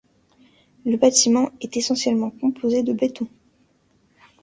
Le bâtiment est essentiellement composé de béton.